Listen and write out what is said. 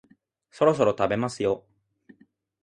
そろそろ食べますよ